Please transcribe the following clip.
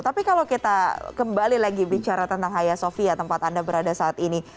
tapi kalau kita kembali lagi bicara tentang haya sofia tempat anda berada saat ini